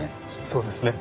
そうですね。